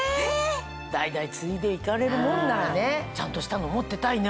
代々継いでいかれるもんならねちゃんとしたの持ってたいね。